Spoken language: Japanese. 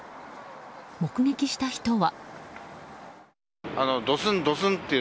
目撃した人は。